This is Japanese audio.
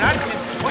おい！